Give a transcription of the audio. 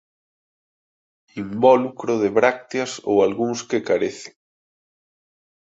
Invólucro de brácteas ou algúns que carecen.